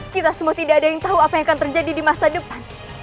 kita semua tidak ada yang tahu apa yang akan terjadi di masa depan